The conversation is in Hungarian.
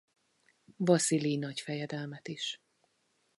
Vaszilij nagyfejedelmet is.